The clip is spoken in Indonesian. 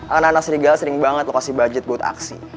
anak anak seriga sering banget loh kasih budget buat aksi